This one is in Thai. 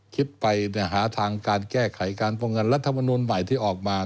คิดไปหาทางการแก้ไขการป้องกันรัฐมนุนใหม่ที่ออกมา